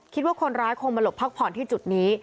คิดว่าคนร้ายคงมาหลบพักผ่อนที่จุดนี้